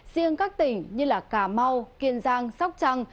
riêng các tỉnh như cà mau kiên giang sóc trăng